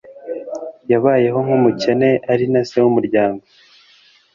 yabayeho, nk'umukene, ari na se w'umuryango